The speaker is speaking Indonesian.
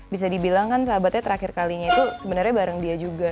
bisa dibilang kan sahabatnya terakhir kalinya itu sebenarnya bareng dia juga